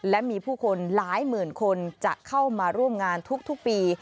และมีผู้คนหลายหมื่นคนจะเข้ามาร่วมงานทุกปี